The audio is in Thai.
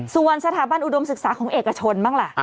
ส่วนสถาบันอุดมศึกษาของเอกชนบ้างล่ะ